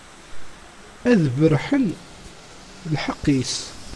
Ad berrḥen lḥeqq-is.